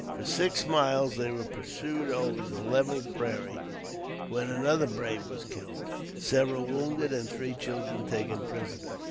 For six miles they were pursued over the level prairies when another brave was killed, several wounded and three children taken prisoners.